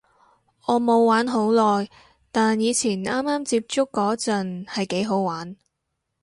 我冇玩好耐，但以前啱啱接觸嗰陣係幾好玩